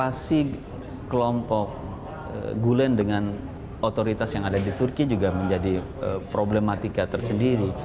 dan selanjutnya soal relasi kelompok gulen dengan otoritas yang ada di turki juga menjadi problematika tersentuh